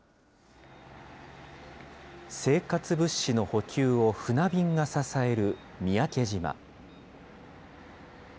生活物資の補給を船便が支える三宅島。